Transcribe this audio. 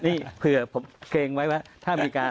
นี่เผื่อผมเกรงไว้ว่าถ้ามีการ